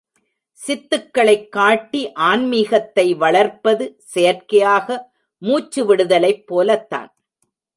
சித்துக்களைக் காட்டி ஆன்மீகத்தை வளர்ப்பது செயற்கையாக மூச்சுவிடுதலைப் போலத்தான்.